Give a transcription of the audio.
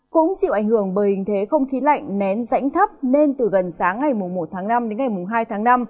cũng chịu ảnh hưởng bởi hình thế không khí lạnh nén rãnh thấp nên từ gần sáng ngày một tháng năm đến ngày hai tháng năm